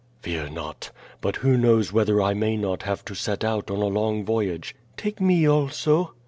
"Fear not! But who knows whether I may not have to set out on a long voyage." "Take me also."